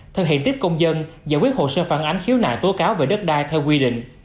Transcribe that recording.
thực hiện tiếp công dân giải quyết hồ sơ phản ánh khiếu nại tố cáo về đất đai theo quy định